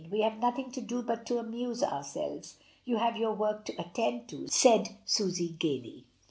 We have nothing to do but to amuse ourselves, you have your work to attend to," said Susy gaily.